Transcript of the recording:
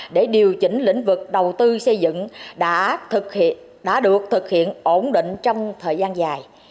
để điều chỉnh lĩnh vực đầu tư xây dựng đã được thực hiện ổn định trong thời gian dài